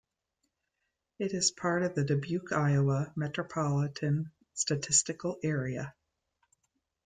It is part of the 'Dubuque, Iowa Metropolitan Statistical Area'.